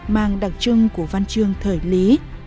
mang đặc trưng của văn chương thời lý